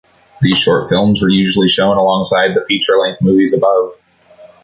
These short films were usually shown alongside the feature-length movies above.